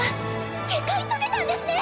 結界解けたんですね！